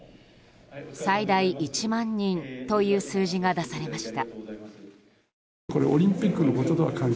最大１万人という数字が出されました。